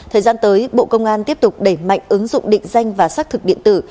thời gian tới bộ công an tiếp tục đẩy mạnh ứng dụng định danh và xác thực điện tử